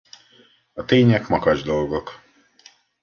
A tények makacs dolgok.